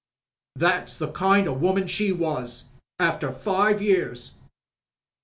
That's the kind o' woman she was — after five years!"